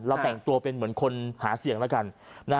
แต่งตัวเป็นเหมือนคนหาเสียงแล้วกัน